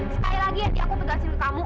sekali lagi sindi aku pegasiin kamu